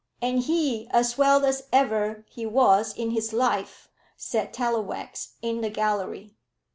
"And he as well as ever he was in his life," said Tallowax in the gallery.